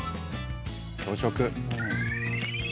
朝食。